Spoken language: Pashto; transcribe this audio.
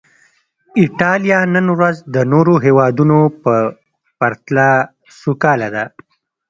ایټالیا نن ورځ د نورو هېوادونو په پرتله سوکاله ده.